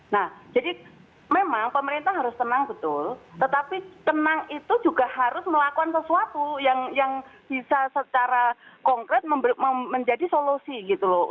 nah jadi memang pemerintah harus tenang betul tetapi tenang itu juga harus melakukan sesuatu yang bisa secara konkret menjadi solusi gitu loh